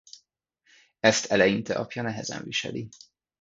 Ezt eleinte apja nehezen viseli.